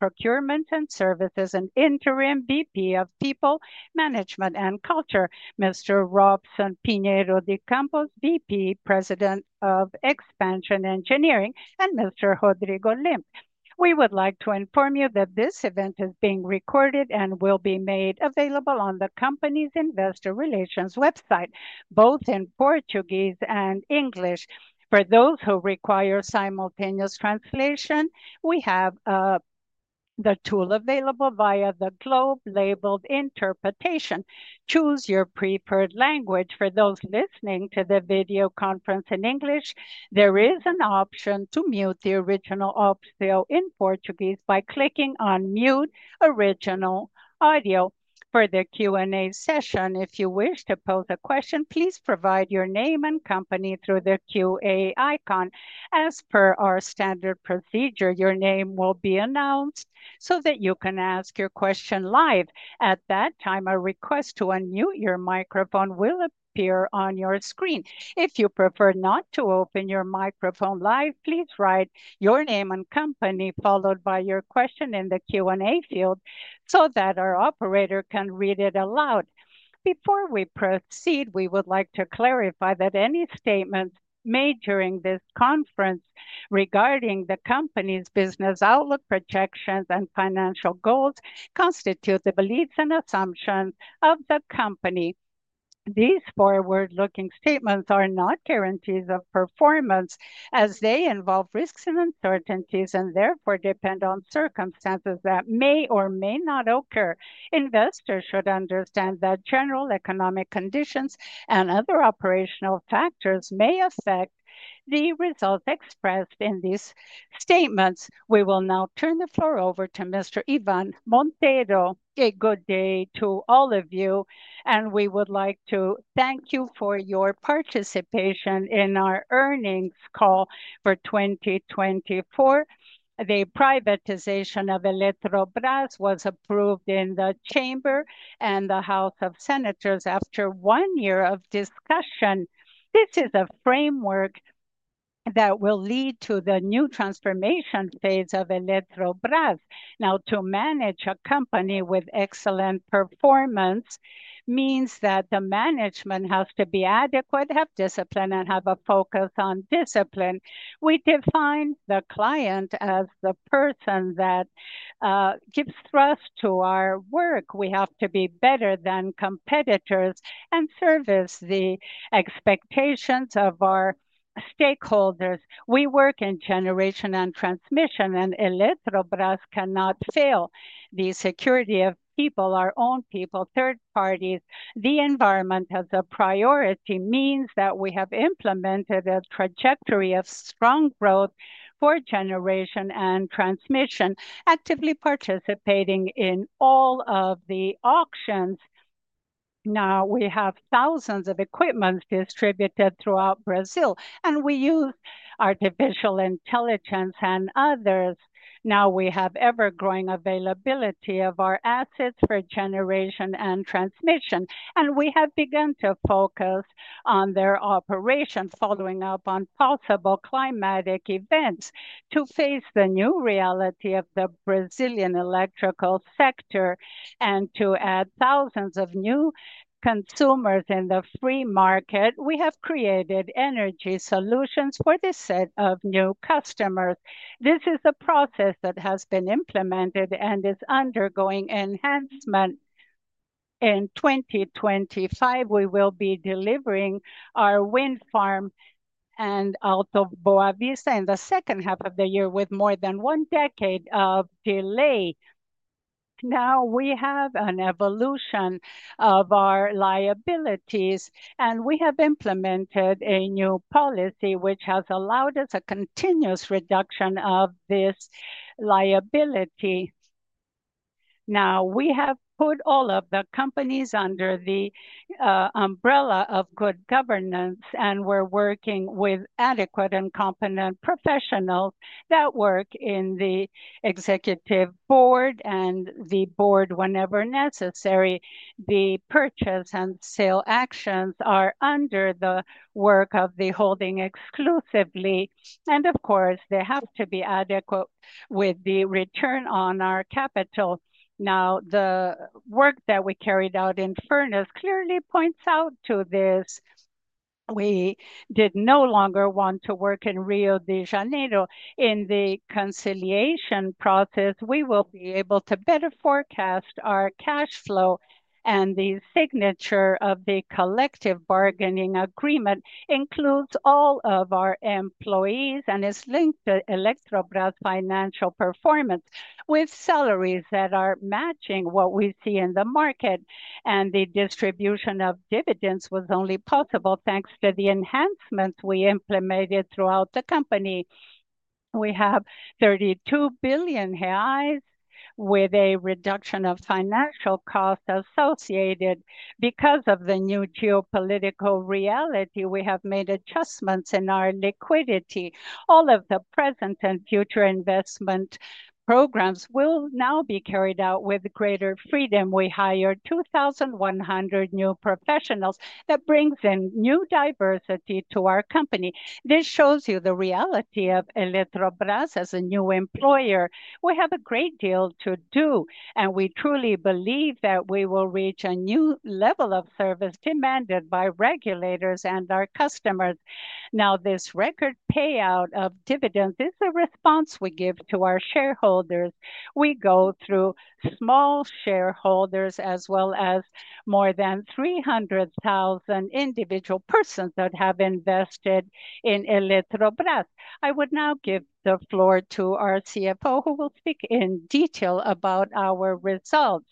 Procurement and Services, an interim VP of People, Management, and Culture. Mr. Robson Pinheiro de Campos, VP, President of Expansion Engineering, and Mr. Rodrigo Limp. We would like to inform you that this event is being recorded and will be made available on the company's investor relations website, both in Portuguese and English. For those who require simultaneous translation, we have the tool available via the globe labeled Interpretation. Choose your preferred language. For those listening to the video conference in English, there is an option to mute the original audio in Portuguese by clicking on Mute Original Audio. For the Q&A session, if you wish to pose a question, please provide your name and company through the Q&A icon. As per our standard procedure, your name will be announced so that you can ask your question live. At that time, a request to unmute your microphone will appear on your screen. If you prefer not to open your microphone live, please write your name and company followed by your question in the Q&A field so that our operator can read it aloud. Before we proceed, we would like to clarify that any statements made during this conference regarding the company's business outlook, projections, and financial goals constitute the beliefs and assumptions of the company. These forward-looking statements are not guarantees of performance as they involve risks and uncertainties and therefore depend on circumstances that may or may not occur. Investors should understand that general economic conditions and other operational factors may affect the results expressed in these statements. We will now turn the floor over to Mr. Ivan Monteiro. Good day to all of you, and we would like to thank you for your participation in our earnings call for 2024. The privatization of Eletrobras was approved in the chamber and the House of Senators after one year of discussion. This is a framework that will lead to the new transformation phase of Eletrobras. Now, to manage a company with excellent performance means that the management has to be adequate, have discipline, and have a focus on discipline. We define the client as the person that gives trust to our work. We have to be better than competitors and service the expectations of our stakeholders. We work in generation and transmission, and Eletrobras cannot fail. The security of people, our own people, third parties, the environment as a priority means that we have implemented a trajectory of strong growth for generation and transmission, actively participating in all of the auctions. Now we have thousands of equipment distributed throughout Brazil, and we use artificial intelligence and others. Now we have ever-growing availability of our assets for generation and transmission, and we have begun to focus on their operations, following up on possible climatic events. To face the new reality of the Brazilian electrical sector and to add thousands of new consumers in the free market, we have created energy solutions for this set of new customers. This is a process that has been implemented and is undergoing enhancement. In 2025, we will be delivering our wind farm out of Boa Vista in the second half of the year with more than one decade of delay. Now we have an evolution of our liabilities, and we have implemented a new policy which has allowed us a continuous reduction of this liability. Now we have put all of the companies under the umbrella of good governance, and we're working with adequate and competent professionals that work in the Executive Board and the Board whenever necessary. The purchase and sale actions are under the work of the holding exclusively, and of course, they have to be adequate with the return on our capital. Now the work that we carried out in Furnas clearly points out to this. We did no longer want to work in Rio de Janeiro. In the conciliation process, we will be able to better forecast our cash flow, and the signature of the collective bargaining agreement includes all of our employees and is linked to Eletrobras financial performance with salaries that are matching what we see in the market. The distribution of dividends was only possible thanks to the enhancements we implemented throughout the company. We have 32 billion reais with a reduction of financial costs associated. Because of the new geopolitical reality, we have made adjustments in our liquidity. All of the present and future investment programs will now be carried out with greater freedom. We hired 2,100 new professionals. That brings in new diversity to our company. This shows you the reality of Eletrobras as a new employer. We have a great deal to do, and we truly believe that we will reach a new level of service demanded by regulators and our customers. Now this record payout of dividends is a response we give to our shareholders. We go through small shareholders as well as more than 300,000 individual persons that have invested in Eletrobras. I would now give the floor to our CFO, who will speak in detail about our results.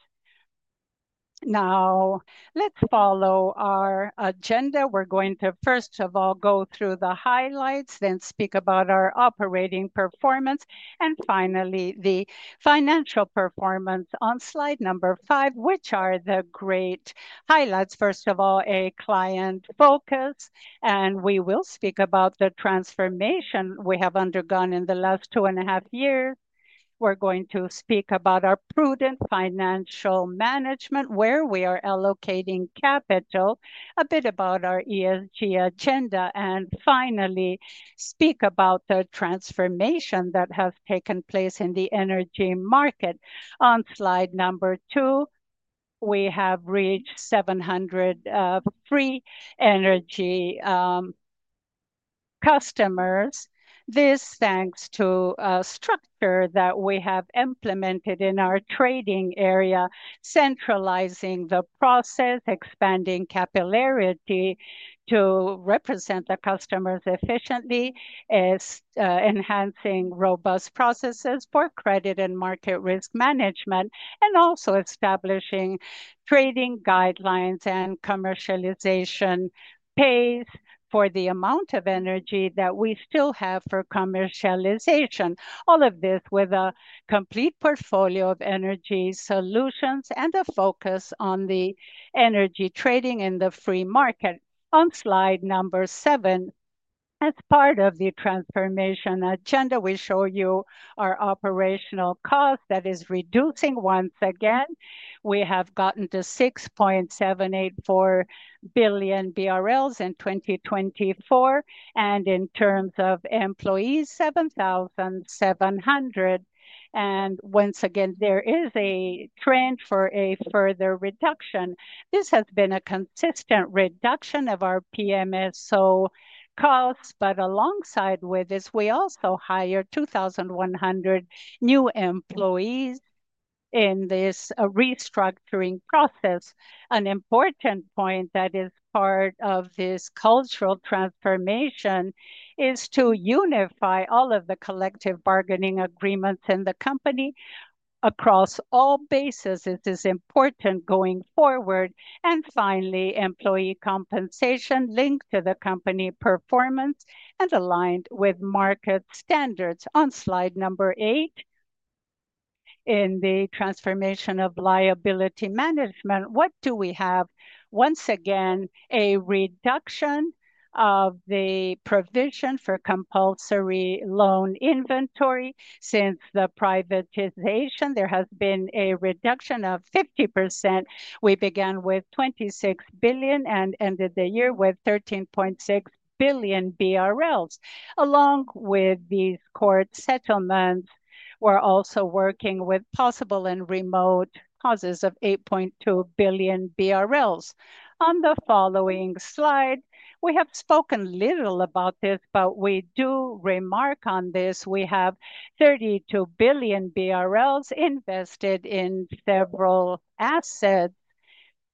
Now let's follow our agenda. We're going to, first of all, go through the highlights, then speak about our operating performance, and finally the financial performance on slide number five, which are the great highlights. First of all, a client focus, and we will speak about the transformation we have undergone in the last two and a half years. We're going to speak about our prudent financial management, where we are allocating capital, a bit about our ESG agenda, and finally speak about the transformation that has taken place in the energy market. On slide number two, we have reached 700 free energy customers. This thanks to a structure that we have implemented in our trading area, centralizing the process, expanding capillarity to represent the customers efficiently, enhancing robust processes for credit and market risk management, and also establishing trading guidelines and commercialization pace for the amount of energy that we still have for commercialization. All of this with a complete portfolio of energy solutions and a focus on the energy trading in the free market. On slide number seven, as part of the transformation agenda, we show you our operational cost that is reducing once again. We have gotten to 6.784 billion BRL in 2024, and in terms of employees, 7,700. Once again, there is a trend for a further reduction. This has been a consistent reduction of our PMSO costs, but alongside with this, we also hired 2,100 new employees in this restructuring process. An important point that is part of this cultural transformation is to unify all of the collective bargaining agreements in the company across all bases. This is important going forward. Finally, employee compensation linked to the company performance and aligned with market standards. On slide number eight, in the transformation of liability management, what do we have? Once again, a reduction of the provision for compulsory loan inventory. Since the privatization, there has been a reduction of 50%. We began with 26 billion and ended the year with 13.6 billion BRL. Along with these court settlements, we're also working with possible and remote causes of 8.2 billion BRL. On the following slide, we have spoken little about this, but we do remark on this. We have 32 billion BRL invested in several assets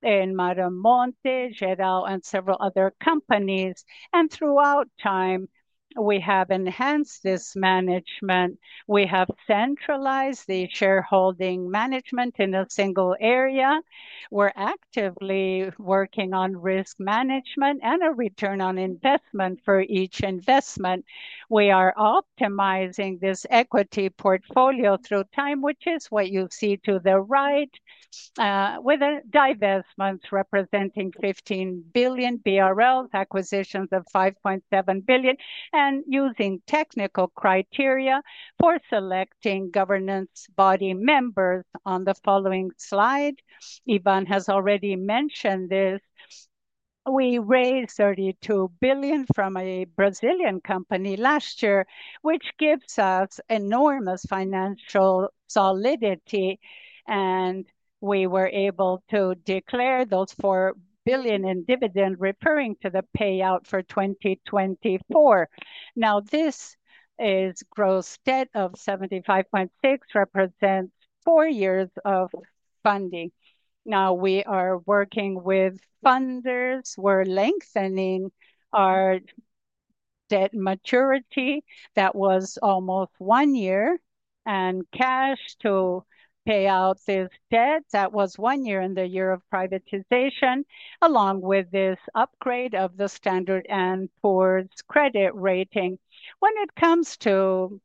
in Belo Monte, Jirau, and several other companies. Throughout time, we have enhanced this management. We have centralized the shareholding management in a single area. We're actively working on risk management and a return on investment for each investment. We are optimizing this equity portfolio through time, which is what you see to the right, with divestments representing 15 billion BRL, acquisitions of 5.7 billion, and using technical criteria for selecting governance body members. On the following slide, Ivan has already mentioned this. We raised 32 billion from a Brazilian company last year, which gives us enormous financial solidity, and we were able to declare those 4 billion in dividend referring to the payout for 2024. Now this is gross debt of 75.6 billion, represents four years of funding. Now we are working with funders. We're lengthening our debt maturity that was almost one year and cash to pay out this debt that was one year in the year of privatization, along with this upgrade of the Standard and Poor's credit rating. When it comes to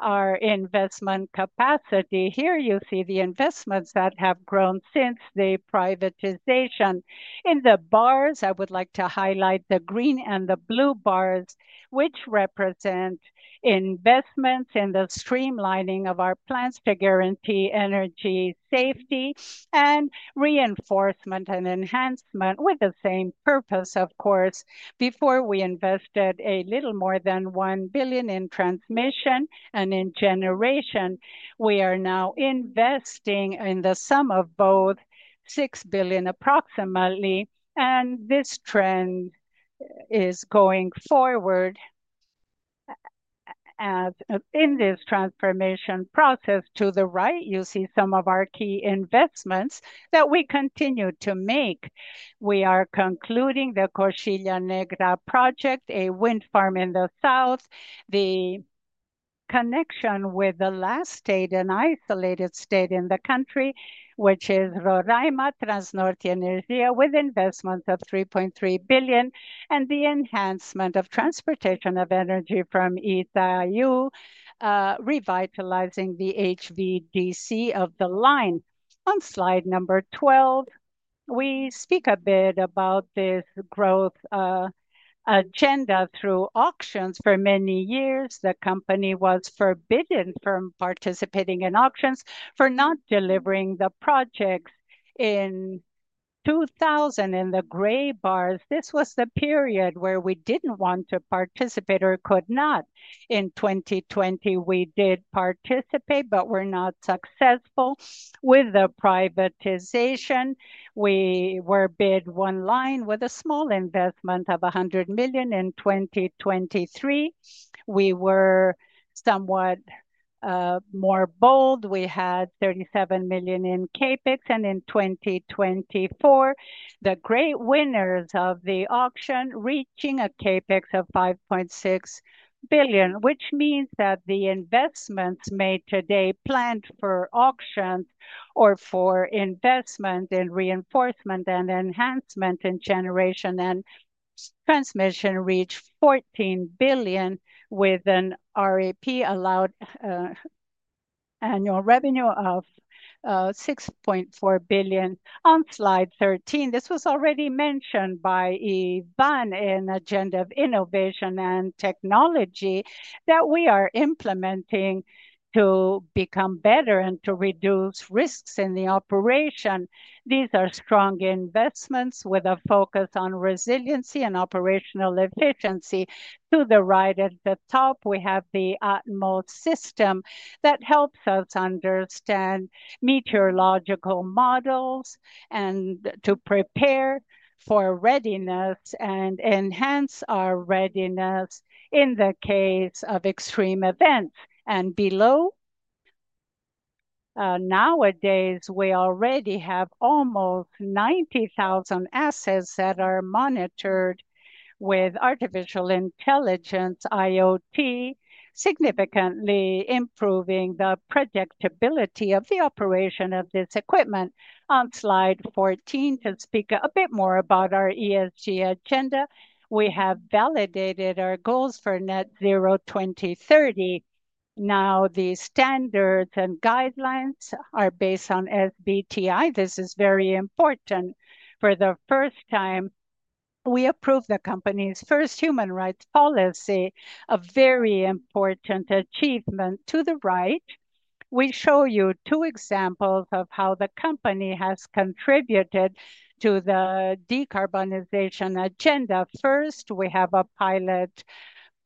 our investment capacity, here you see the investments that have grown since the privatization. In the bars, I would like to highlight the green and the blue bars, which represent investments in the streamlining of our plans to guarantee energy safety and reinforcement and enhancement with the same purpose. Of course, before we invested a little more than 1 billion in transmission and in generation, we are now investing in the sum of both 6 billion approximately. This trend is going forward. In this transformation process to the right, you see some of our key investments that we continue to make. We are concluding the Coxilha Negra project, a wind farm in the south, the connection with the last state and isolated state in the country, which is Roraima, TransNorte Energia, with investments of 3.3 billion, and the enhancement of transportation of energy from Itaipu, revitalizing the HVDC of the line. On slide number 12, we speak a bit about this growth agenda through auctions. For many years, the company was forbidden from participating in auctions for not delivering the projects in 2000 in the gray bars. This was the period where we did not want to participate or could not. In 2020, we did participate, but we were not successful with the privatization. We bid one line with a small investment of 100 million. In 2023, we were somewhat more bold. We had 37 million in CapEx, and in 2024, the great winners of the auction reaching a CapEx of 5.6 billion, which means that the investments made today planned for auctions or for investment in reinforcement and enhancement in generation and transmission reached 14 billion with an RAP allowed annual revenue of 6.4 billion. On slide 13, this was already mentioned by Ivan in Agenda of Innovation and Technology that we are implementing to become better and to reduce risks in the operation. These are strong investments with a focus on resiliency and operational efficiency. To the right at the top, we have the Atmos system that helps us understand meteorological models and to prepare for readiness and enhance our readiness in the case of extreme events. Below, nowadays we already have almost 90,000 assets that are monitored with artificial intelligence, IoT, significantly improving the predictability of the operation of this equipment. On slide 14, to speak a bit more about our ESG agenda, we have validated our goals for net zero 2030. Now the standards and guidelines are based on SBTi. This is very important. For the first time, we approved the company's first human rights policy, a very important achievement. To the right, we show you two examples of how the company has contributed to the decarbonization agenda. First, we have a pilot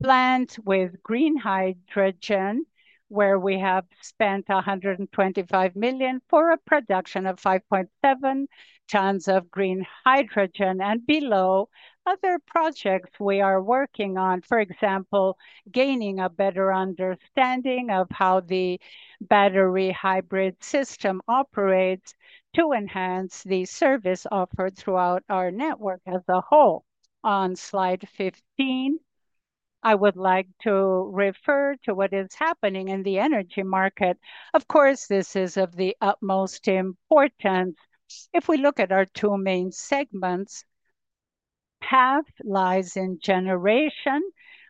plant with green hydrogen where we have spent 125 million for a production of 5.7 tons of green hydrogen. Below, other projects we are working on, for example, gaining a better understanding of how the battery hybrid system operates to enhance the service offered throughout our network as a whole. On slide 15, I would like to refer to what is happening in the energy market. Of course, this is of the utmost importance. If we look at our two main segments, half lies in generation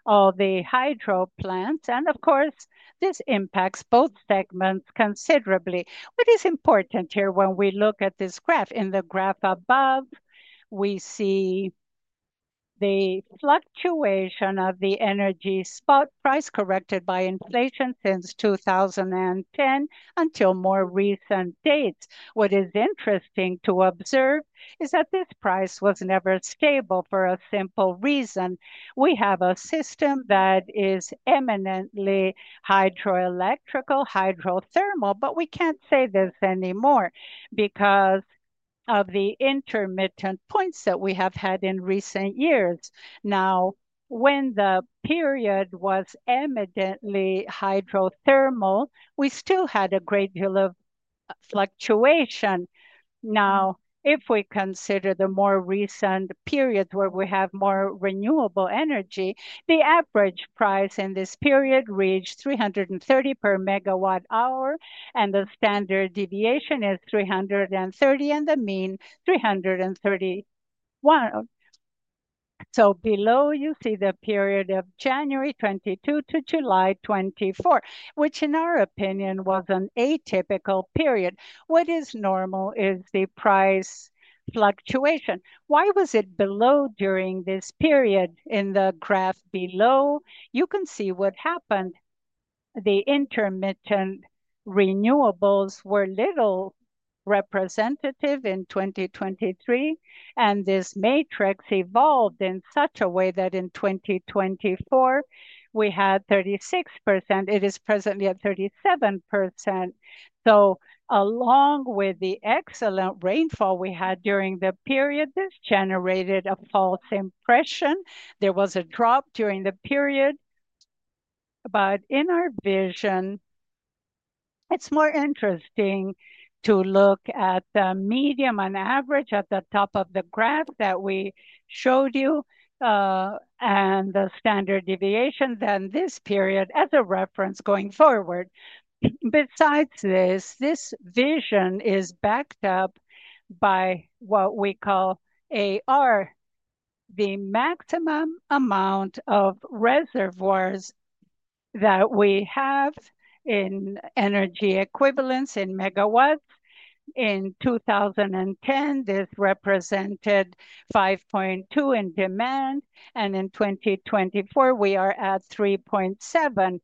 of the hydro plants, and of course, this impacts both segments considerably. What is important here when we look at this graph? In the graph above, we see the fluctuation of the energy spot price corrected by inflation since 2010 until more recent dates. What is interesting to observe is that this price was never stable for a simple reason. We have a system that is eminently hydroelectrical, hydrothermal, but we can't say this anymore because of the intermittent points that we have had in recent years. Now, when the period was eminently hydrothermal, we still had a great deal of fluctuation. Now, if we consider the more recent periods where we have more renewable energy, the average price in this period reached 330 per megawatt hour, and the standard deviation is 330, and the mean 331. Below, you see the period of January 2022 to July 2024, which in our opinion was an atypical period. What is normal is the price fluctuation. Why was it below during this period? In the graph below, you can see what happened. The intermittent renewables were little representative in 2023, and this matrix evolved in such a way that in 2024, we had 36%. It is presently at 37%. Along with the excellent rainfall we had during the period, this generated a false impression. There was a drop during the period, but in our vision, it's more interesting to look at the medium and average at the top of the graph that we showed you and the standard deviation than this period as a reference going forward. Besides this, this vision is backed up by what we call AR, the maximum amount of reservoirs that we have in energy equivalence in megawatts. In 2010, this represented 5.2 in demand, and in 2024, we are at 3.7.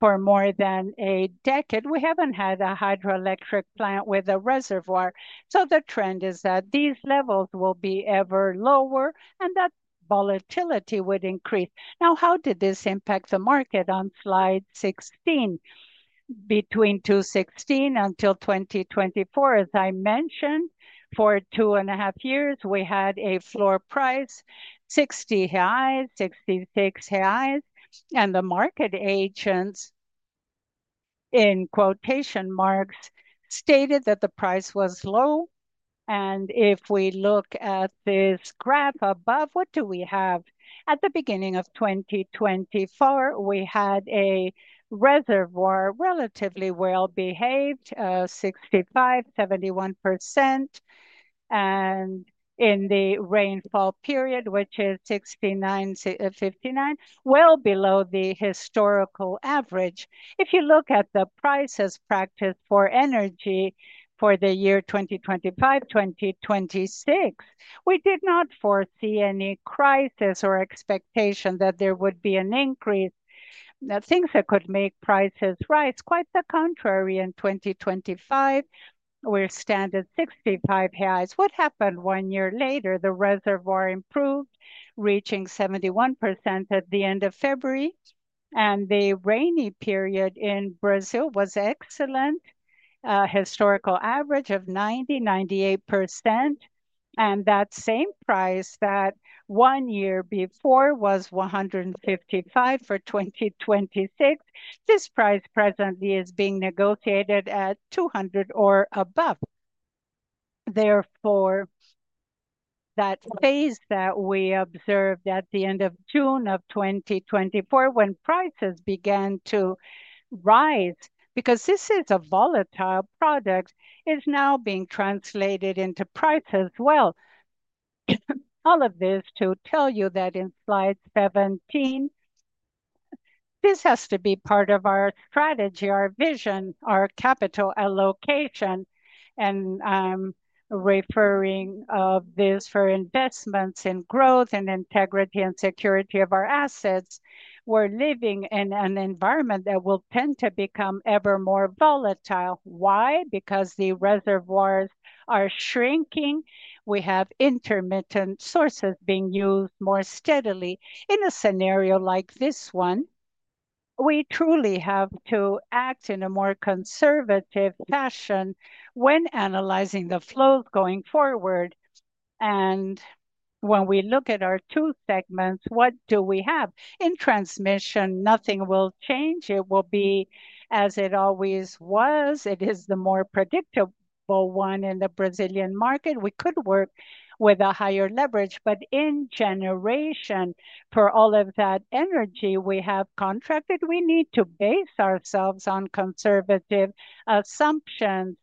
For more than a decade, we haven't had a hydroelectric plant with a reservoir. The trend is that these levels will be ever lower and that volatility would increase. Now, how did this impact the market? On slide 16, between 2016 until 2024, as I mentioned, for two and a half years, we had a floor price, 60 highs, 66 highs, and the market agents in quotation marks stated that the price was low. If we look at this graph above, what do we have? At the beginning of 2024, we had a reservoir relatively well behaved, 65% to 71%, and in the rainfall period, which is 69% to 59%, well below the historical average. If you look at the prices practiced for energy for the year 2025, 2026, we did not foresee any crisis or expectation that there would be an increase. Now, things that could make prices rise, quite the contrary. In 2025, we're standing at 65 highs. What happened one year later? The reservoir improved, reaching 71% at the end of February, and the rainy period in Brazil was excellent, a historical average of 90% to 98%, and that same price that one year before was 155 for 2026. This price presently is being negotiated at 200 or above. Therefore, that phase that we observed at the end of June of 2024, when prices began to rise, because this is a volatile product, is now being translated into price as well. All of this to tell you that in slide 17, this has to be part of our strategy, our vision, our capital allocation, and referring of this for investments in growth and integrity and security of our assets. We're living in an environment that will tend to become ever more volatile. Why? Because the reservoirs are shrinking. We have intermittent sources being used more steadily. In a scenario like this one, we truly have to act in a more conservative fashion when analyzing the flows going forward. When we look at our two segments, what do we have? In transmission, nothing will change. It will be as it always was. It is the more predictable one in the Brazilian market. We could work with a higher leverage, but in generation, for all of that energy we have contracted, we need to base ourselves on conservative assumptions.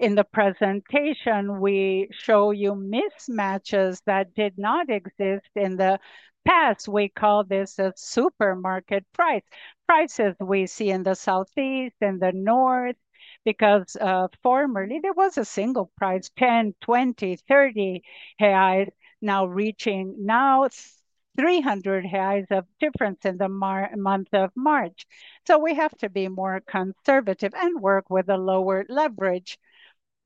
In the presentation, we show you mismatches that did not exist in the past. We call this a supermarket price. Prices we see in the southeast, in the north, because formerly there was a single price, 10, 20, 30 highs, now reaching now 300 highs of difference in the month of March. We have to be more conservative and work with a lower leverage,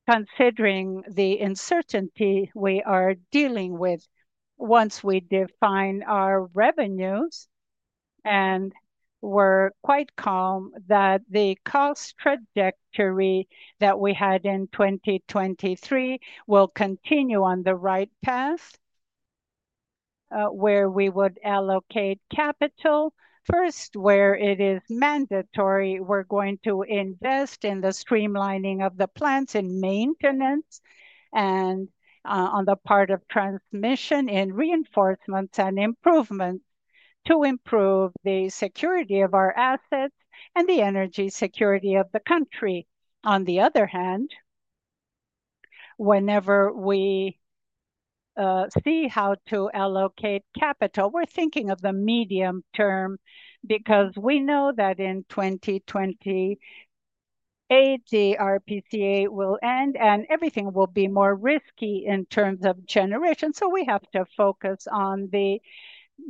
considering the uncertainty we are dealing with. Once we define our revenues, and we're quite calm that the cost trajectory that we had in 2023 will continue on the right path, where we would allocate capital. First, where it is mandatory, we're going to invest in the streamlining of the plants and maintenance, and on the part of transmission and reinforcements and improvements to improve the security of our assets and the energy security of the country. On the other hand, whenever we see how to allocate capital, we're thinking of the medium term because we know that in 2028, the RBSE will end and everything will be more risky in terms of generation. We have to focus on the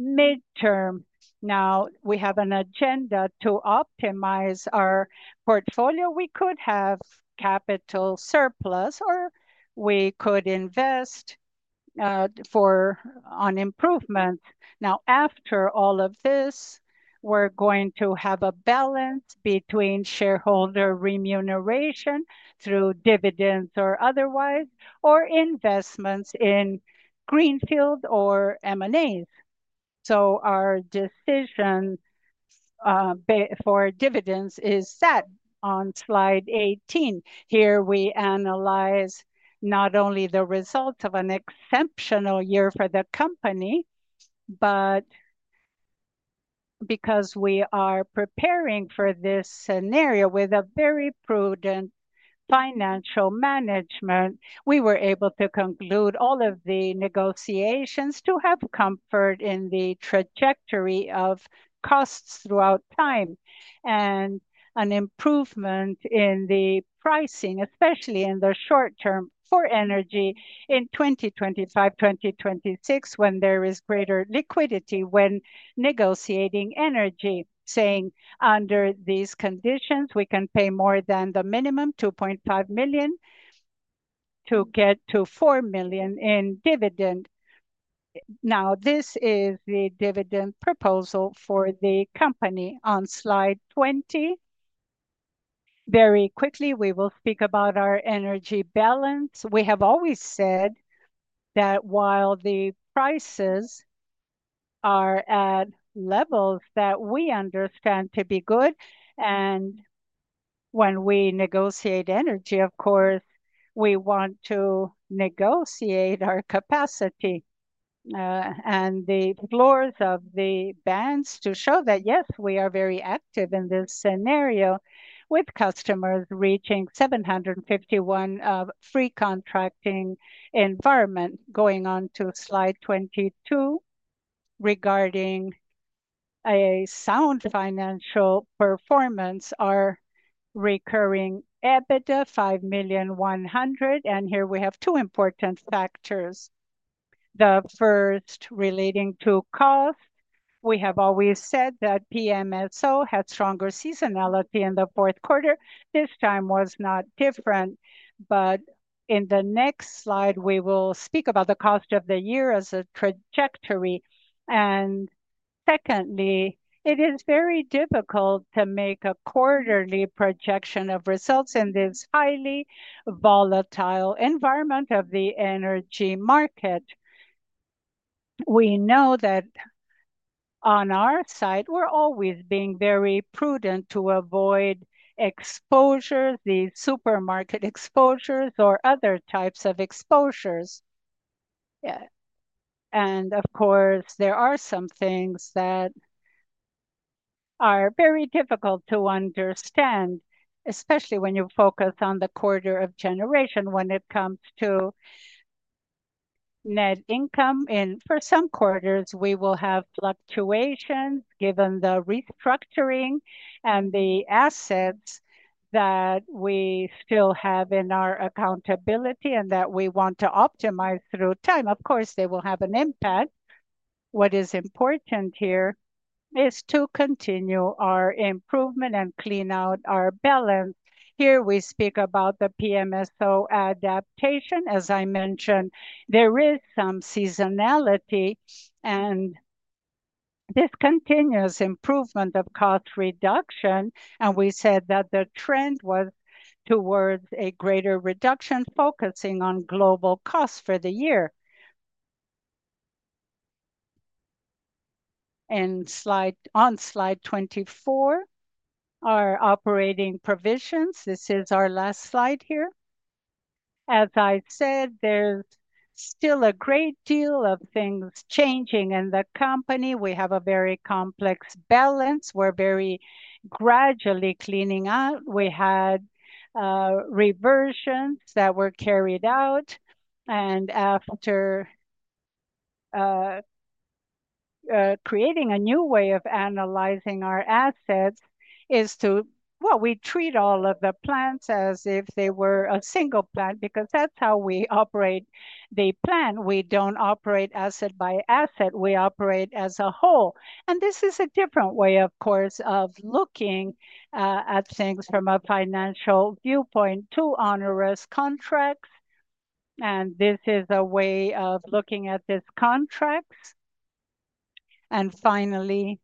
midterm. Now, we have an agenda to optimize our portfolio. We could have capital surplus or we could invest for improvement. Now, after all of this, we're going to have a balance between shareholder remuneration through dividends or otherwise, or investments in greenfield or M&As. Our decision for dividends is set on slide 18. Here we analyze not only the results of an exceptional year for the company, but because we are preparing for this scenario with very prudent financial management, we were able to conclude all of the negotiations to have comfort in the trajectory of costs throughout time and an improvement in the pricing, especially in the short term for energy in 2025, 2026, when there is greater liquidity when negotiating energy, saying under these conditions, we can pay more than the minimum 2.5 million to get to 4 million in dividend. This is the dividend proposal for the company on slide 20. Very quickly, we will speak about our energy balance. We have always said that while the prices are at levels that we understand to be good, and when we negotiate energy, of course, we want to negotiate our capacity and the floors of the bands to show that yes, we are very active in this scenario with customers reaching 751 of free contracting environment. Going on to slide 22 regarding a sound financial performance, our recurring EBITDA 5,100, and here we have two important factors. The first relating to cost. We have always said that PMSO had stronger seasonality in the fourth quarter. This time was not different, but in the next slide, we will speak about the cost of the year as a trajectory. Secondly, it is very difficult to make a quarterly projection of results in this highly volatile environment of the energy market. We know that on our side, we're always being very prudent to avoid exposures, the supermarket exposures or other types of exposures. Of course, there are some things that are very difficult to understand, especially when you focus on the quarter of generation when it comes to net income. For some quarters, we will have fluctuations given the restructuring and the assets that we still have in our accountability and that we want to optimize through time. Of course, they will have an impact. What is important here is to continue our improvement and clean out our balance. Here we speak about the PMSO adaptation. As I mentioned, there is some seasonality and this continuous improvement of cost reduction, and we said that the trend was towards a greater reduction focusing on global costs for the year. On slide 24, our operating provisions, this is our last slide here. As I said, there is still a great deal of things changing in the company. We have a very complex balance. We are very gradually cleaning out. We had reversions that were carried out, and after creating a new way of analyzing our assets is to, you know, we treat all of the plants as if they were a single plant because that is how we operate the plant. We do not operate asset by asset. We operate as a whole. This is a different way, of course, of looking at things from a financial viewpoint to onerous contracts. This is a way of looking at these contracts. Finally,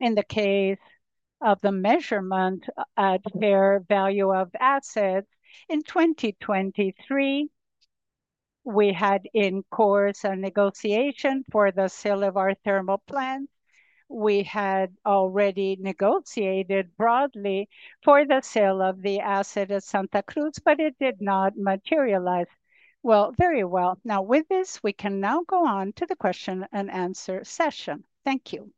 in the case of the measurement at fair value of assets in 2023, we had in course a negotiation for the sale of our thermal plants. We had already negotiated broadly for the sale of the asset at Santa Cruz, but it did not materialize very well. Now, with this, we can now go on to the question and answer session. Thank you.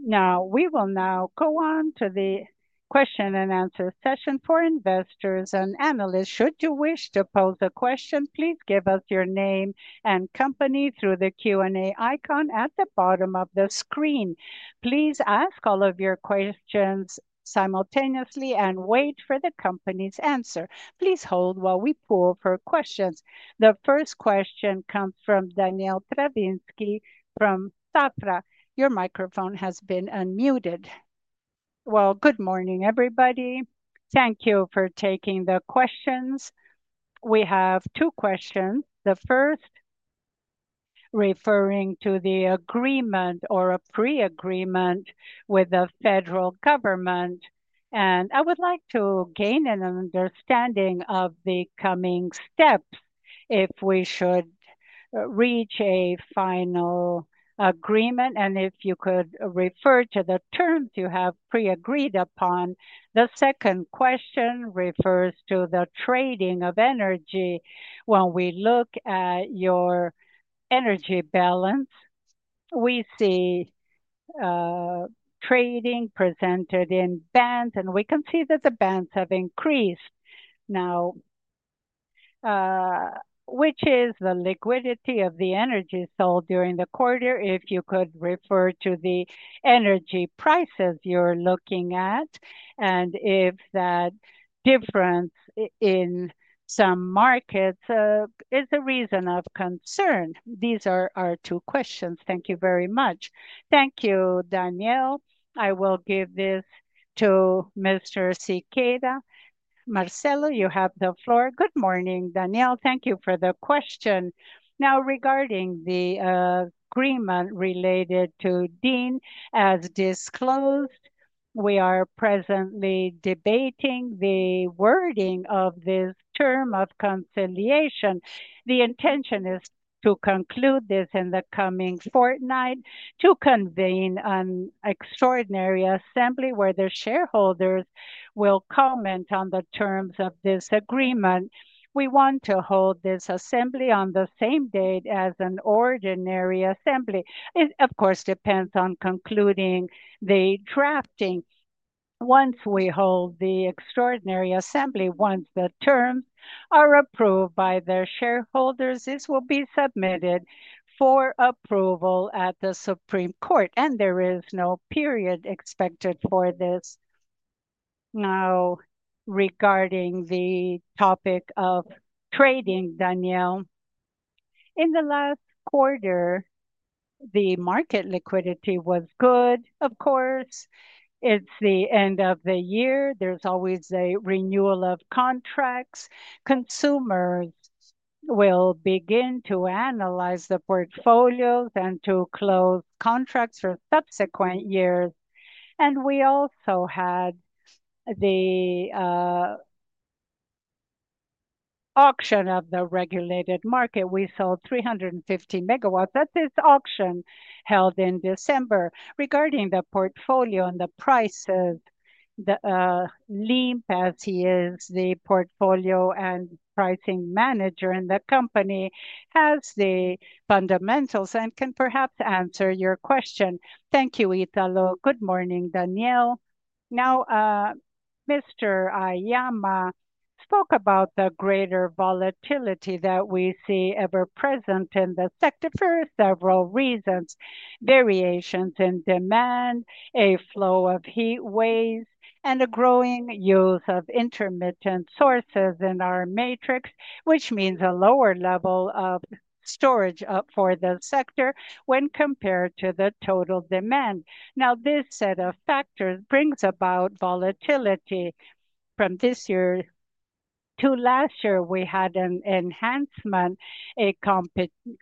Now, we will now go on to the question and answer session for investors and analysts. Should you wish to pose a question, please give us your name and company through the Q&A icon at the bottom of the screen. Please ask all of your questions simultaneously and wait for the company's answer. Please hold while we pull for questions. The first question comes from Daniel Travitzky from Safra. Your microphone has been unmuted. Well, good morning, everybody. Thank you for taking the questions. We have two questions. The first, referring to the agreement or a pre-agreement with the federal government, and I would like to gain an understanding of the coming steps if we should reach a final agreement and if you could refer to the terms you have pre-agreed upon. The second question refers to the trading of energy. When we look at your energy balance, we see trading presented in bands, and we can see that the bands have increased now, which is the liquidity of the energy sold during the quarter. If you could refer to the energy prices you're looking at and if that difference in some markets is a reason of concern. These are our two questions. Thank you very much. Thank you, Daniel. I will give this to Mr. Siqueira. Marcelo You have the floor. Good morning, Daniel. Thank you for the question. Now, regarding the agreement related to dean as disclosed, we are presently debating the wording of this term of conciliation. The intention is to conclude this in the coming fortnight to convene an extraordinary assembly where the shareholders will comment on the terms of this agreement. We want to hold this assembly on the same date as an ordinary assembly. It, of course, depends on concluding the drafting Once we hold the extraordinary assembly, once the terms are approved by the shareholders, this will be submitted for approval at the Supreme Court, and there is no period expected for this. Now, regarding the topic of trading, Daniel, in the last quarter, the market liquidity was good. Of course, it's the end of the year. There's always a renewal of contracts. Consumers will begin to analyze the portfolios and to close contracts for subsequent years. We also had the auction of the regulated market. We sold 350 megawatts. That is this auction held in December. Regarding the portfolio and the prices, the Limp, as he is the portfolio and pricing manager in the company, has the fundamentals and can perhaps answer your question. Thank you, Marcelo. Good morning, Daniel. Now, Mr. Haiama spoke about the greater volatility that we see ever present in the sector for several reasons. Variations in demand, a flow of heat waves, and a growing use of intermittent sources in our matrix, which means a lower level of storage for the sector when compared to the total demand. This set of factors brings about volatility. From this year to last year, we had an enhancement, a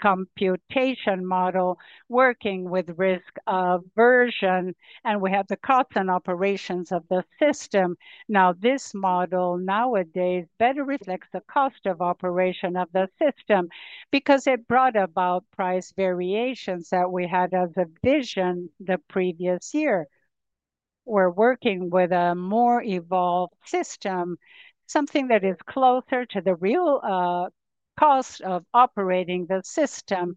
computation model working with risk aversion, and we had the cost and operations of the system. Now, this model nowadays better reflects the cost of operation of the system because it brought about price variations that we had as a vision the previous year. We are working with a more evolved system, something that is closer to the real cost of operating the system.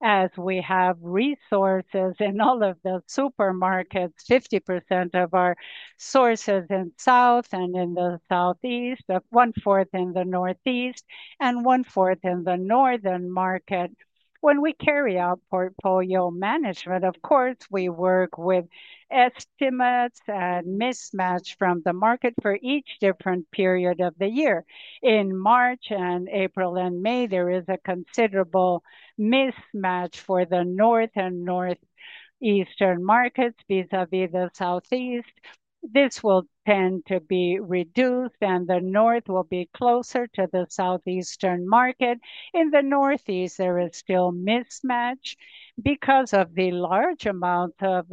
As we have resources in all of the supermarkets, 50% of our sources in the south and in the southeast, one fourth in the northeast, and one fourth in the northern market. When we carry out portfolio management, of course, we work with estimates and mismatch from the market for each different period of the year. In March and April and May, there is a considerable mismatch for the north and northeastern markets vis-à-vis the southeast. This will tend to be reduced, and the north will be closer to the southeastern market. In the northeast, there is still mismatch because of the large amount of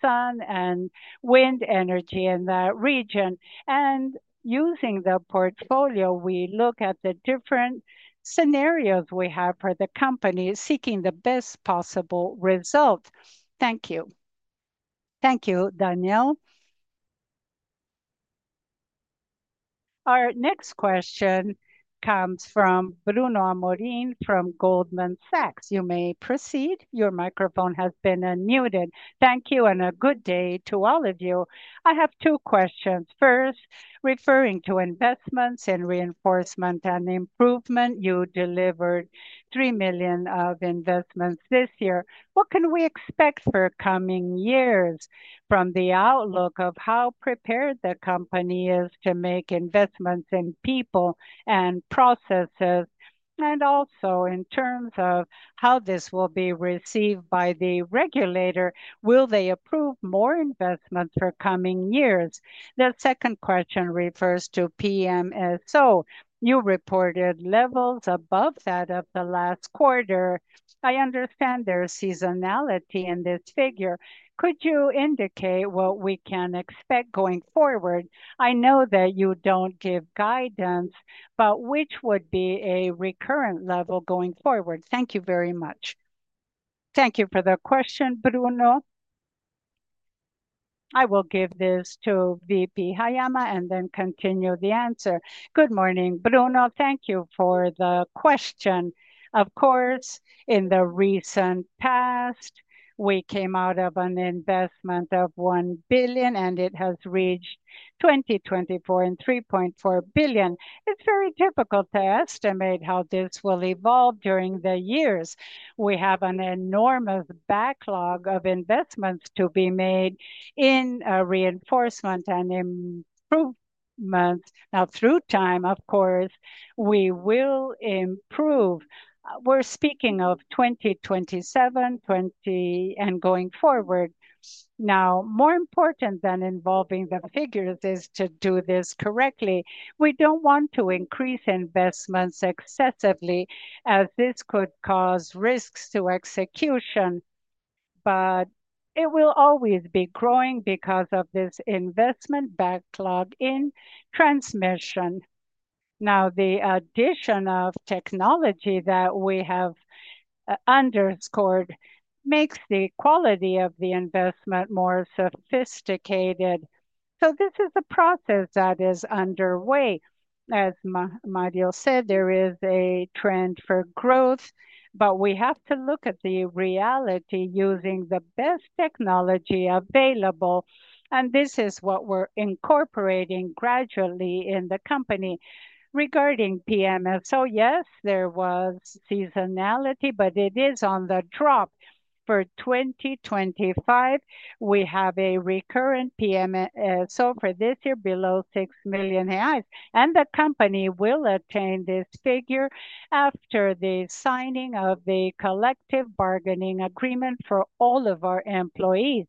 sun and wind energy in that region. Using the portfolio, we look at the different scenarios we have for the company seeking the best possible result. Thank you. Thank you, Daniel. Our next question comes from Bruno Amorin from Goldman Sachs. You may proceed. Your microphone has been unmuted. Thank you, and a good day to all of you. I have two questions. First, referring to investments and reinforcement and improvement, you delivered 3 million of investments this year. What can we expect for coming years from the outlook of how prepared the company is to make investments in people and processes? Also, in terms of how this will be received by the regulator, will they approve more investments for coming years? The second question refers to PMSO. You reported levels above that of the last quarter. I understand there's seasonality in this figure. Could you indicate what we can expect going forward? I know that you don't give guidance, but which would be a recurrent level going forward? Thank you very much. Thank you for the question, Bruno. I will give this to VP Haiama and then continue the answer. Good morning, Bruno. Thank you for the question. Of course, in the recent past, we came out of an investment of 1 billion, and it has reached 2024 and 3.4 billion. It's very difficult to estimate how this will evolve during the years. We have an enormous backlog of investments to be made in reinforcement and improvements. Now, through time, of course, we will improve. We're speaking of 2027 and going forward. Now, more important than involving the figures is to do this correctly. We do not want to increase investments excessively as this could cause risks to execution, but it will always be growing because of this investment backlog in transmission. Now, the addition of technology that we have underscored makes the quality of the investment more sophisticated. This is a process that is underway. As Mario said, there is a trend for growth, but we have to look at the reality using the best technology available. This is what we are incorporating gradually in the company. Regarding PMSO, yes, there was seasonality, but it is on the drop. For 2025, we have a recurrent PMSO for this year below 6 million reais and the company will attain this figure after the signing of the collective bargaining agreement for all of our employees.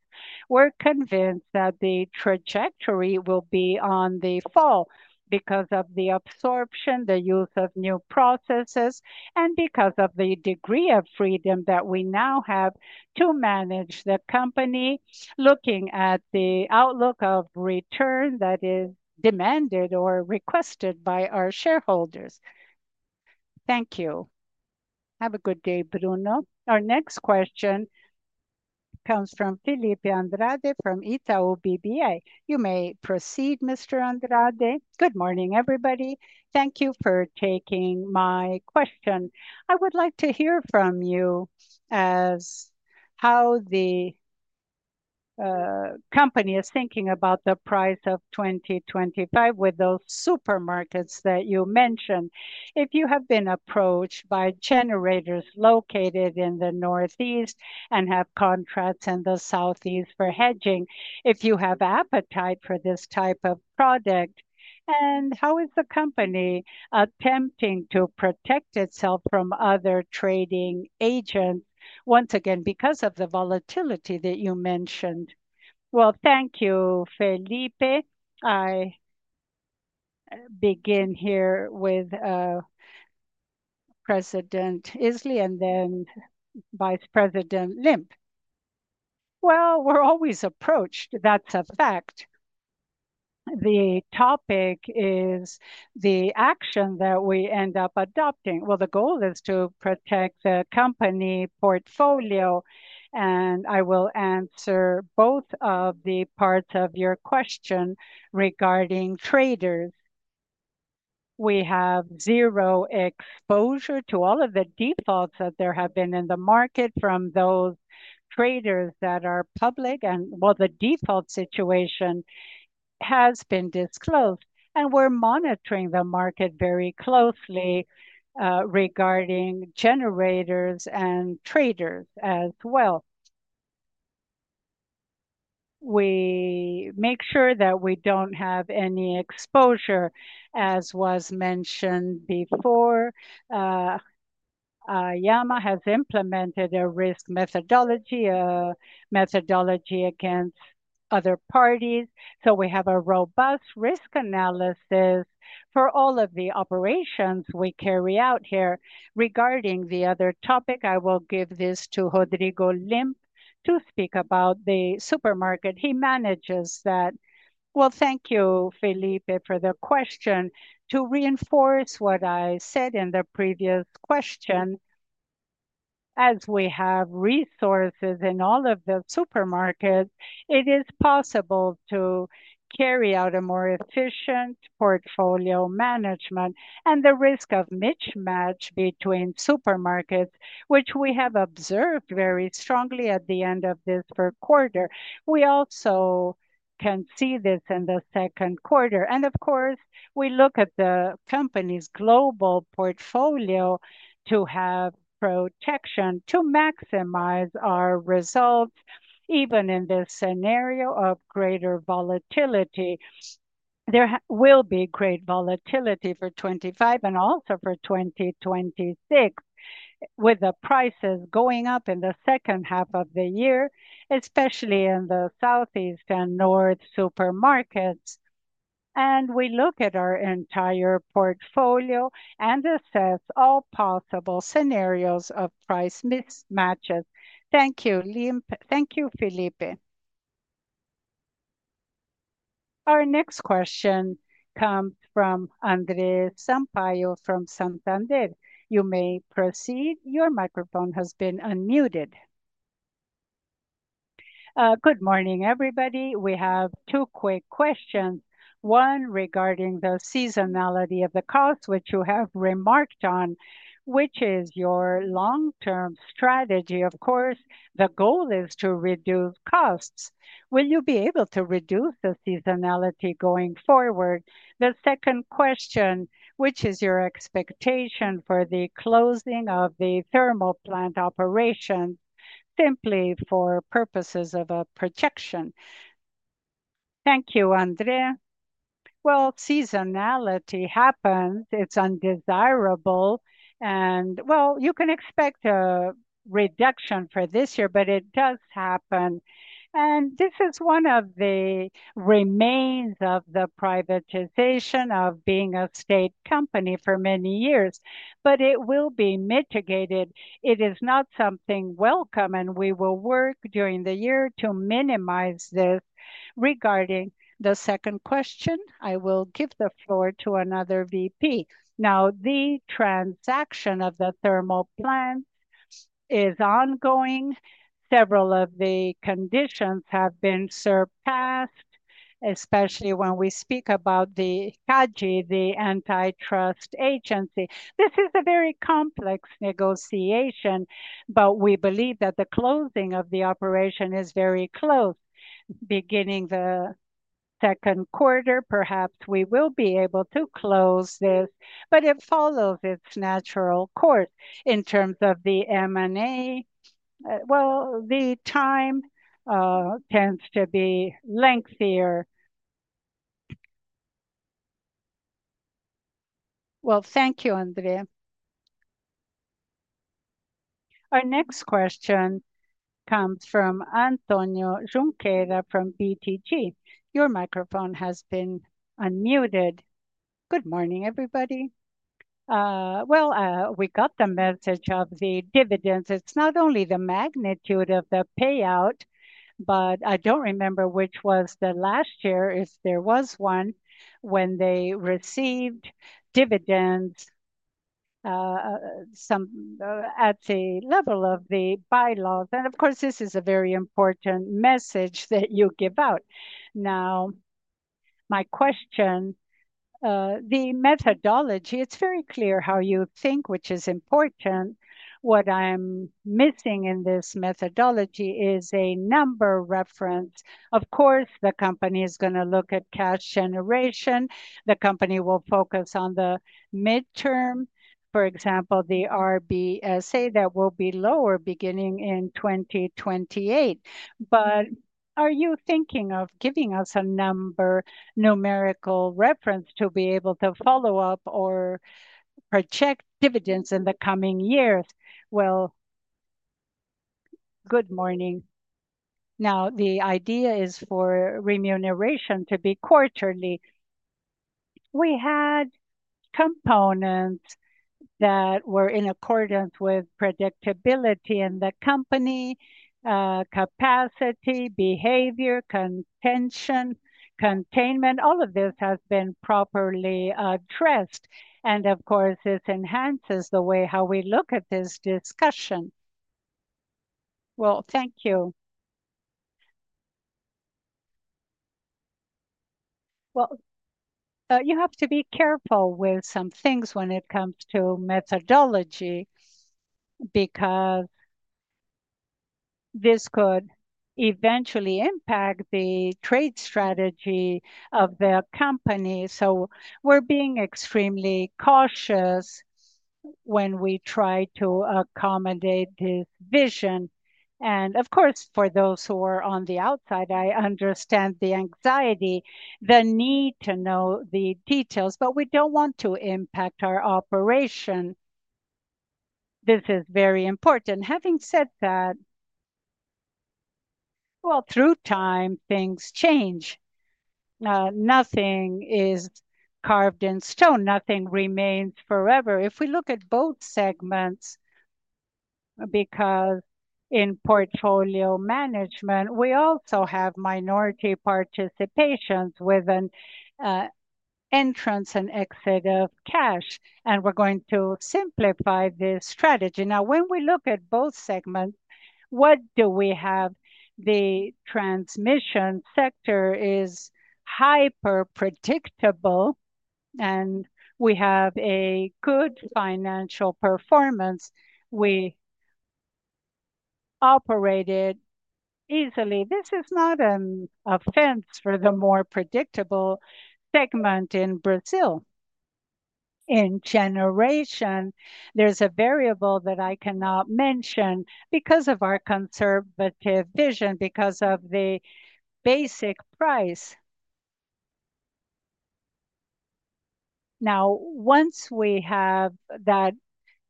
We're convinced that the trajectory will be on the fall because of the absorption, the use of new processes, and because of the degree of freedom that we now have to manage the company, looking at the outlook of return that is demanded or requested by our shareholders. Thank you. Have a good day, Bruno. Our next question comes from Felipe Andrade from Itaú BBA. You may proceed, Mr. Andrade. Good morning, everybody. Thank you for taking my question. I would like to hear from you as to how the company is thinking about the price of 2025 with those supermarkets that you mentioned. If you have been approached by generators located in the northeast and have contracts in the southeast for hedging, if you have appetite for this type of product, and how is the company attempting to protect itself from other trading agents? Once again, because of the volatility that you mentioned. Thank you, Felipe. I begin here with President Italo and then Vice President Limp. We are always approached. That is a fact. The topic is the action that we end up adopting. The goal is to protect the company portfolio, and I will answer both of the parts of your question regarding traders. We have zero exposure to all of the defaults that there have been in the market from those traders that are public, and the default situation has been disclosed, and we are monitoring the market very closely regarding generators and traders as well. We make sure that we do not have any exposure, as was mentioned before. Haiama has implemented a risk methodology, a methodology against other parties. We have a robust risk analysis for all of the operations we carry out here. Regarding the other topic, I will give this to Rodrigo Limp to speak about the supermarket he manages that. Thank you, Felipe, for the question. To reinforce what I said in the previous question, as we have resources in all of the supermarkets, it is possible to carry out a more efficient portfolio management and the risk of mismatch between supermarkets, which we have observed very strongly at the end of this quarter. We also can see this in the second quarter. Of course, we look at the company's global portfolio to have protection to maximize our results, even in this scenario of greater volatility. There will be great volatility for 2025 and also for 2026, with the prices going up in the second half of the year, especially in the southeast and north supermarkets. We look at our entire portfolio and assess all possible scenarios of price mismatches. Thank you, Limp. Thank you, Felipe. Our next question comes from Andre Sampaio from Santander. You may proceed. Your microphone has been unmuted. Good morning, everybody. We have two quick questions. One regarding the seasonality of the cost, which you have remarked on, which is your long-term strategy. Of course, the goal is to reduce costs. Will you be able to reduce the seasonality going forward? The second question, which is your expectation for the closing of the thermal plant operations, simply for purposes of a projection. Thank you, Andre. Seasonality happens. It is undesirable. You can expect a reduction for this year, but it does happen. This is one of the remains of the privatization of being a state company for many years, but it will be mitigated. It is not something welcome, and we will work during the year to minimize this. Regarding the second question, I will give the floor to another VP. Now, the transaction of the thermal plant is ongoing. Several of the conditions have been surpassed, especially when we speak about the CADE, the Antitrust Agency. This is a very complex negotiation, but we believe that the closing of the operation is very close. Beginning the second quarter, perhaps we will be able to close this, but it follows its natural course in terms of the M&A. The time tends to be lengthier. Thank you, Andre. Our next question comes from Antonio Junqueira from BTG. Your microphone has been unmuted. Good morning, everybody. We got the message of the dividends. It's not only the magnitude of the payout, but I don't remember which was the last year if there was one when they received dividends at the level of the bylaws. Of course, this is a very important message that you give out. Now, my question, the methodology, it's very clear how you think, which is important. What I'm missing in this methodology is a number reference. Of course, the company is going to look at cash generation. The company will focus on the midterm, for example, the RBSA that will be lower beginning in 2028. Are you thinking of giving us a number, numerical reference to be able to follow up or project dividends in the coming years? Good morning. The idea is for remuneration to be quarterly. We had components that were in accordance with predictability in the company, capacity, behavior, contention, containment. All of this has been properly addressed. Of course, this enhances the way how we look at this discussion. Thank you. You have to be careful with some things when it comes to methodology because this could eventually impact the trade strategy of the company. We are being extremely cautious when we try to accommodate this vision. Of course, for those who are on the outside, I understand the anxiety, the need to know the details, but we do not want to impact our operation. This is very important. Having said that, through time, things change. Nothing is carved in stone. Nothing remains forever. If we look at both segments, because in portfolio management, we also have minority participations with an entrance and exit of cash, and we are going to simplify this strategy. Now, when we look at both segments, what do we have? The transmission sector is hyper-predictable, and we have a good financial performance. We operated easily. This is not an offense for the more predictable segment in Brazil. In generation, there's a variable that I cannot mention because of our conservative vision, because of the basic price. Now, once we have that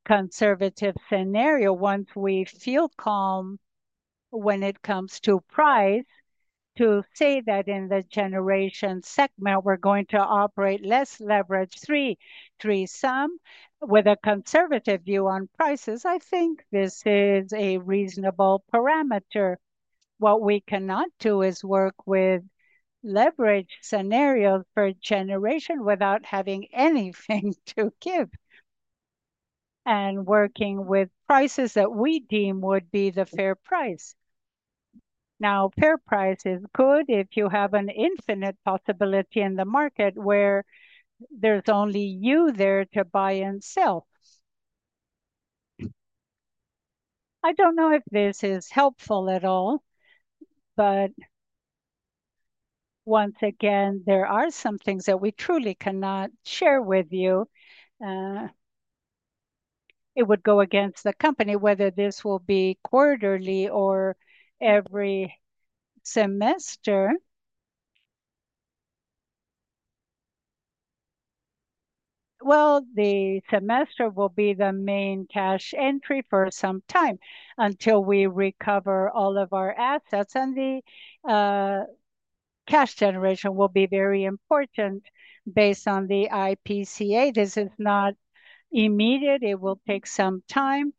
conservative scenario, once we feel calm when it comes to price, to say that in the generation segment, we're going to operate less leverage, three-sum with a conservative view on prices, I think this is a reasonable parameter. What we cannot do is work with leverage scenarios for generation without having anything to give and working with prices that we deem would be the fair price. Now, fair price is good if you have an infinite possibility in the market where there's only you there to buy and sell. I don't know if this is helpful at all, but once again, there are some things that we truly cannot share with you. It would go against the company, whether this will be quarterly or every semester. The semester will be the main cash entry for some time until we recover all of our assets, and the cash generation will be very important based on the IPCA. This is not immediate. It will take some time,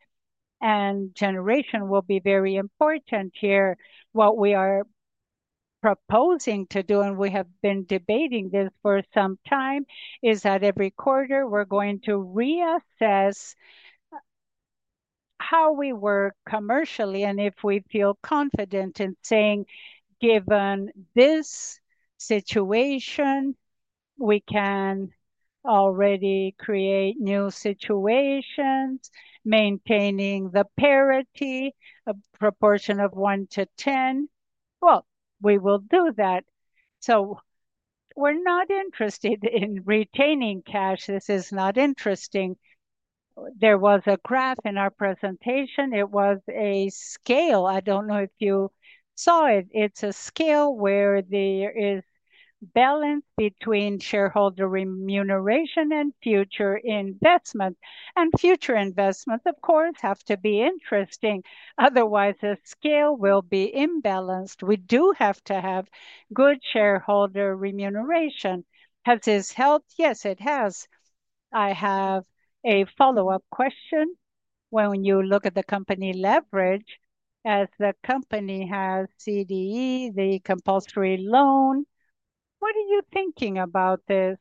and generation will be very important here. What we are proposing to do, and we have been debating this for some time, is that every quarter we're going to reassess how we work commercially, and if we feel confident in saying, given this situation, we can already create new situations, maintaining the parity, a proportion of one to ten. We will do that. We are not interested in retaining cash. This is not interesting. There was a graph in our presentation. It was a scale. I don't know if you saw it. It's a scale where there is balance between shareholder remuneration and future investment. Future investments, of course, have to be interesting. Otherwise, the scale will be imbalanced. We do have to have good shareholder remuneration. Has this helped? Yes, it has. I have a follow-up question. When you look at the company leverage, as the company has CDE, the compulsory loan, what are you thinking about this?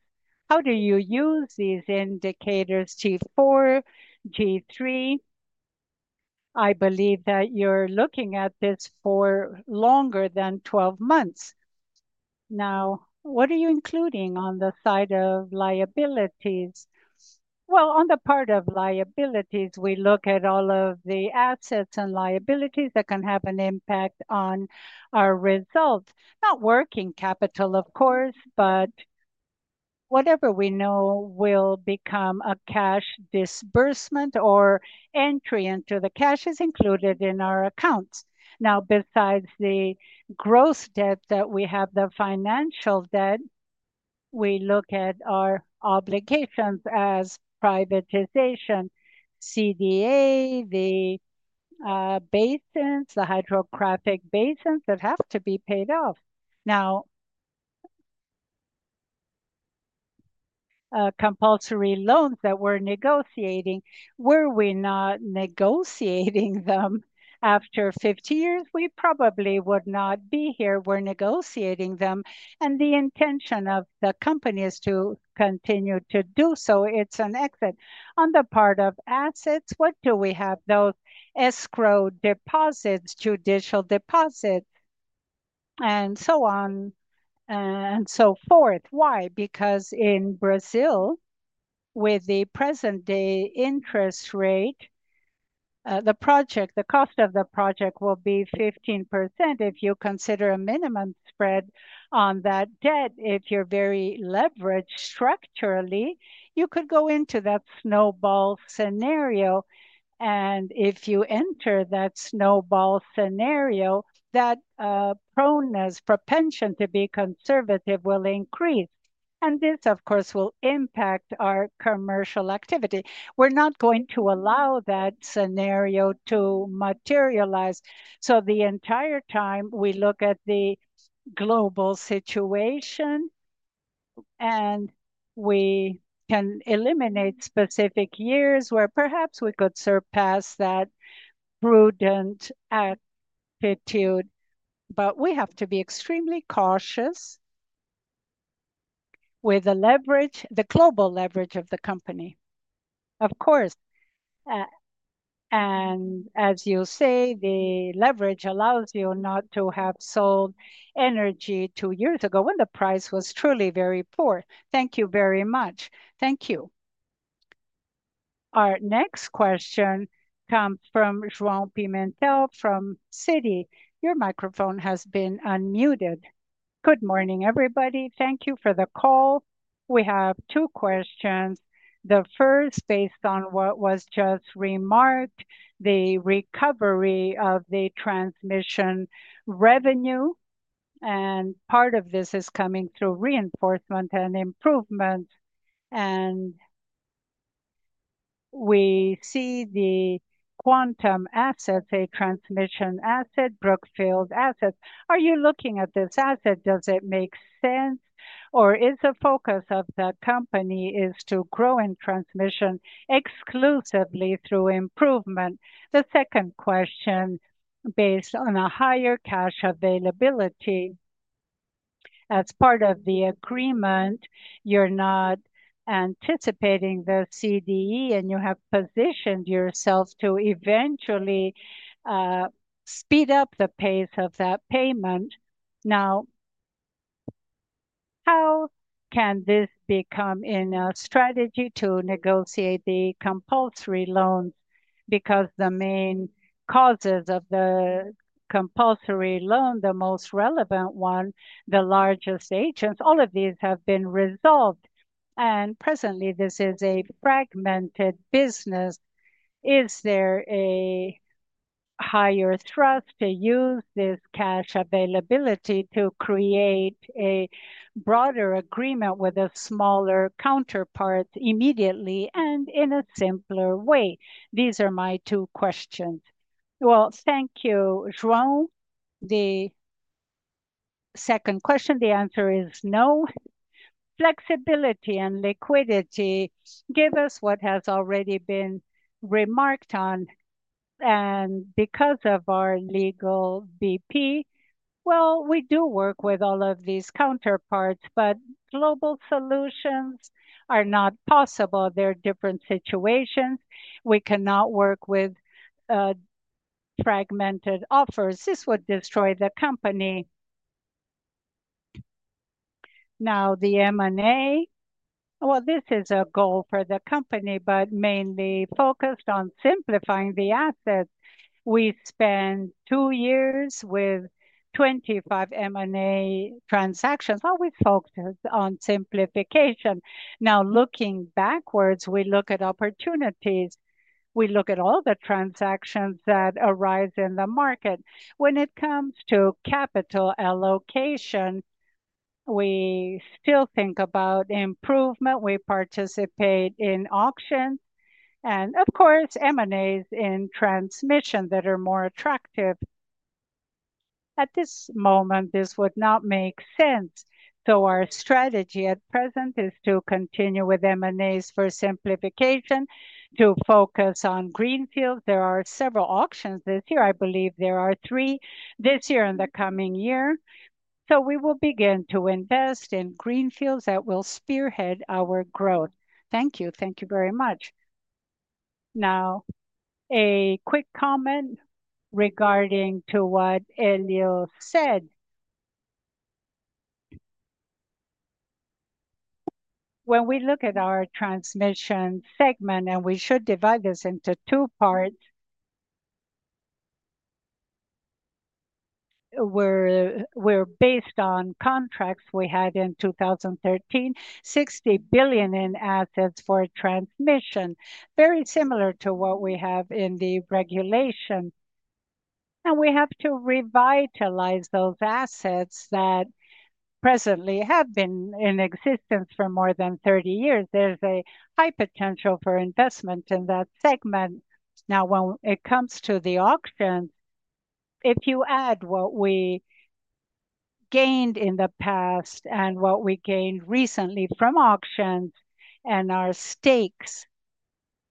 How do you use these indicators, G4, G3? I believe that you're looking at this for longer than 12 months. Now, what are you including on the side of liabilities? On the part of liabilities, we look at all of the assets and liabilities that can have an impact on our results. Not working capital, of course, but whatever we know will become a cash disbursement or entry into the cash is included in our accounts. Now, besides the gross debt that we have, the financial debt, we look at our obligations as privatization, CDE, the basins, the hydrographic basins that have to be paid off. Now, compulsory loans that we're negotiating, were we not negotiating them after 50 years? We probably would not be here. We're negotiating them. And the intention of the company is to continue to do so. It's an exit. On the part of assets, what do we have? Those escrow deposits, judicial deposits, and so on and so forth. Why? Because in Brazil, with the present-day interest rate, the project, the cost of the project will be 15% if you consider a minimum spread on that debt. If you're very leveraged structurally, you could go into that snowball scenario. If you enter that snowball scenario, that proneness, propension to be conservative will increase. This, of course, will impact our commercial activity. We're not going to allow that scenario to materialize. The entire time, we look at the global situation, and we can eliminate specific years where perhaps we could surpass that prudent aptitude. We have to be extremely cautious with the leverage, the global leverage of the company. of course. As you say, the leverage allows you not to have sold energy two years ago when the price was truly very poor. Thank you very much. Thank you. Our next question comes from João Pimentel from Citi. Your microphone has been unmuted. Good morning, everybody. Thank you for the call. We have two questions. The first, based on what was just remarked, the recovery of the transmission revenue. Part of this is coming through reinforcement and improvement. We see the Quantum assets, a transmission asset, Brookfield assets. Are you looking at this asset? Does it make sense? Is the focus of the company to grow in transmission exclusively through improvement? The second question, based on a higher cash availability. As part of the agreement, you're not anticipating the CDE, and you have positioned yourself to eventually speed up the pace of that payment. How can this become a strategy to negotiate the compulsory loans? The main causes of the compulsory loan, the most relevant one, the largest agents, all of these have been resolved. Presently, this is a fragmented business. Is there a higher trust to use this cash availability to create a broader agreement with a smaller counterpart immediately and in a simpler way? These are my two questions. Thank you, João. The second question, the answer is no. Flexibility and liquidity give us what has already been remarked on. Because of our Legal VP, we do work with all of these counterparts, but global solutions are not possible. There are different situations. We cannot work with fragmented offers. This would destroy the company. Now, the M&A. This is a goal for the company, but mainly focused on simplifying the assets. We spent two years with 25 M&A transactions. Always focused on simplification. Now, looking backwards, we look at opportunities. We look at all the transactions that arise in the market. When it comes to capital allocation, we still think about improvement. We participate in auctions. Of course, M&As in transmission that are more attractive. At this moment, this would not make sense. Our strategy at present is to continue with M&As for simplification, to focus on greenfields. There are several auctions this year. I believe there are three this year and the coming year. We will begin to invest in greenfields that will spearhead our growth. Thank you. Thank you very much. Now, a quick comment regarding what Elio said. When we look at our transmission segment, and we should divide this into two parts, we are based on contracts we had in 2013, 60 billion in assets for transmission, very similar to what we have in the regulation. We have to revitalize those assets that presently have been in existence for more than 30 years. There is a high potential for investment in that segment. Now, when it comes to the auctions, if you add what we gained in the past and what we gained recently from auctions and our stakes,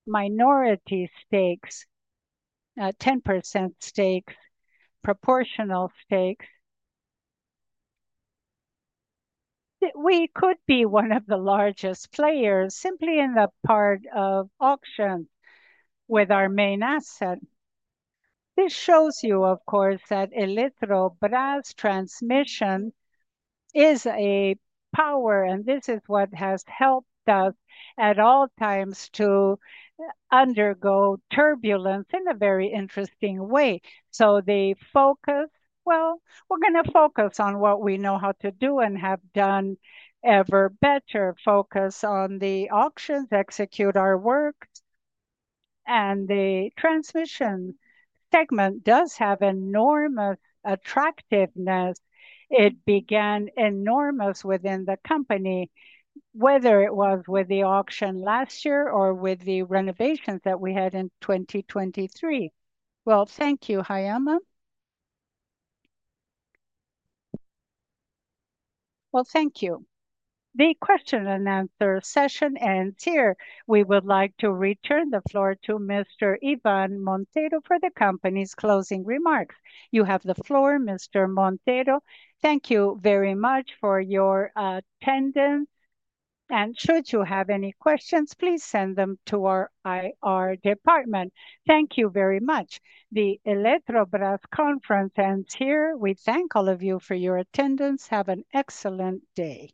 minority stakes, 10% stakes, proportional stakes, we could be one of the largest players simply in the part of auctions with our main asset. This shows you, of course, that Eletrobras's transmission is a power, and this is what has helped us at all times to undergo turbulence in a very interesting way. The focus, we are going to focus on what we know how to do and have done ever better, focus on the auctions, execute our work. The transmission segment does have enormous attractiveness. It began enormous within the company, whether it was with the auction last year or with the renovations that we had in 2023. Thank you, Haiama. Thank you. The question and answer session ends here. We would like to return the floor to Mr. Ivan Monteiro for the company's closing remarks. You have the floor, Mr. Monteiro. Thank you very much for your attendance. Should you have any questions, please send them to our IR department. Thank you very much. The Eletrobras conference ends here. We thank all of you for your attendance. Have an excellent day.